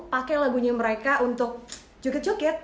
pakai lagunya mereka untuk cukit cukit